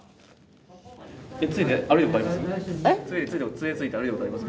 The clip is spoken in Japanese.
つえで歩いたことあります？